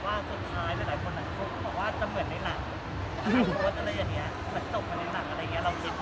มันจบในหนังอะไรอย่างเงี้ย